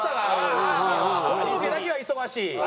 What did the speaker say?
小峠だけが忙しい。